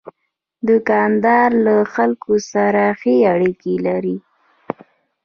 دوکاندار له خلکو سره ښې اړیکې لري.